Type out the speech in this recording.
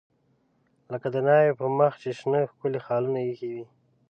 لکه د ناوې په مخ چې شنه ښکلي خالونه ایښي وي.